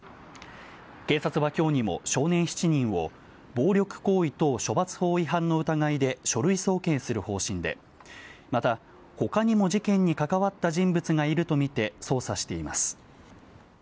警察は今日にも少年７人を暴力行為等処罰法違反の疑いで書類送検する方針でまた、他にも事件に関わった人物がいるとみて捜査しています。